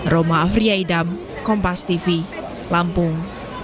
roma afriyaidam kompastv lampung